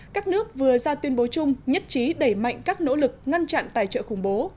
các nước vừa ra tuyên bố chung nhất trí đẩy mạnh các nỗ lực ngăn chặn tài trợ khủng bố